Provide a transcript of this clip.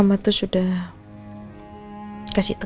gimana kalauwalkan di lautan